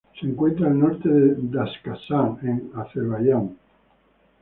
Se encuentra al norte de Daşkəsən, en Azerbaiyán.